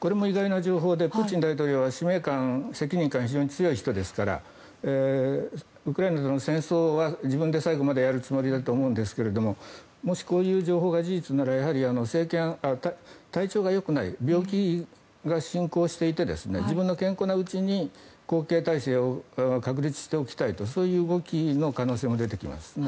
これも意外な情報でプーチン大統領は使命感、責任感が非常に強い人ですからウクライナとの戦争は自分で最後までやるつもりだと思いますがもし、こういう情報が事実なら体調がよくない病気が進行していて自分が健康なうちに後継体制を確立しておきたいとそういう動きの可能性も出てきますね。